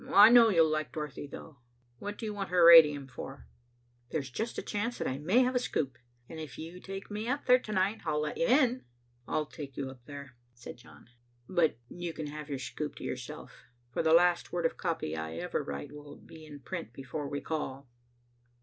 I know you'll like Dorothy, though. What do you want her radium for?" "There's just a chance that I may have a scoop, and if you'll take me up there to night I'll let you in." "I'll take you up there," said John, "but you can have your scoop to yourself. For the last word of copy I ever write will be in print before we call."